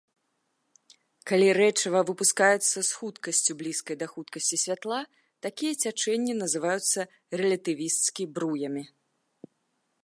Калі рэчыва выпускаецца з хуткасцю, блізкай да хуткасці святла, такія цячэнні называюцца рэлятывісцкі бруямі.